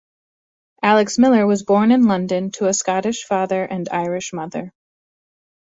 Alex Miller was born in London to a Scottish father and Irish mother.